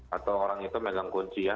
atau orang itu megang kuncian